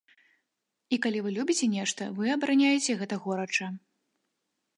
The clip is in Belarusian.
І калі вы любіце нешта, вы абараняеце гэта горача.